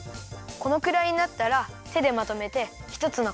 このくらいになったらてでまとめてひとつのかたまりにするよ。